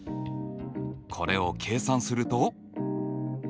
これを計算すると。